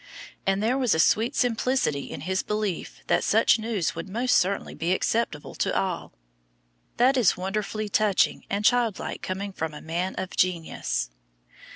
And there was a sweet simplicity in his belief that such news would most certainly be acceptable to all, that is wonderfully touching and child like coming from a man of genius.